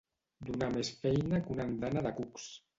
Donar més feina que una andana de cucs.